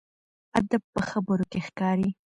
ادب په خبرو کې ښکاري.